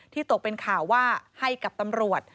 ตกเป็นข่าวว่าให้กับตำรวจ